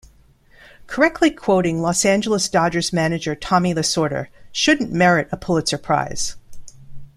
Correctly quoting Los Angeles Dodgers manager Tommy Lasorda shouldn't merit a Pulitzer Prize.